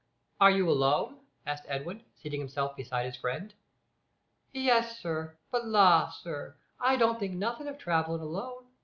"Are you alone?" asked Edwin, seating himself beside his friend. "Yes, sir; but la, sir, I don't think nothink of travellin' alone.